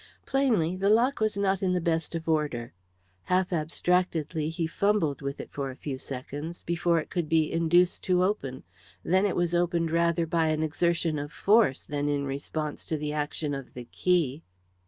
Plainly, the lock was not in the best of order. Half abstractedly he fumbled with it for some seconds, before it could be induced to open, then it was opened rather by an exertion of force, than in response to the action of the key.